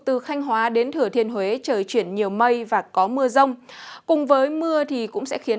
từ thanh hóa đến thừa thiên huế trời chuyển nhiều mây và có mưa rông cùng với mưa thì cũng sẽ khiến